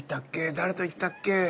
誰と行ったっけ。